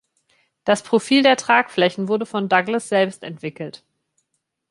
Das Profil der Tragflächen wurde von Douglas selbst entwickelt.